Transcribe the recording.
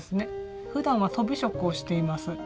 ふだんはとび職をしています。